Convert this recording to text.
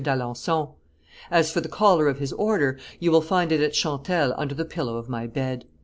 d'Alencon. As for the collar of his order, you will find it at Chantelle under the pillow of my bed."